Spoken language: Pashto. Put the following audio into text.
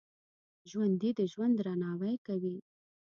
ژوندي د ژوند درناوی کوي